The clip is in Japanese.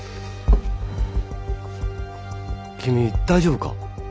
君大丈夫か？